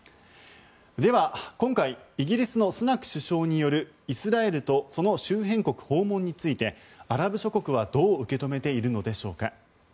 では、今回イギリスのスナク首相によるイスラエルとその周辺国訪問についてアラブ諸国はどう受け止めているのでしょう。